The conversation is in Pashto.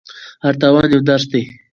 هر تاوان یو درس دی.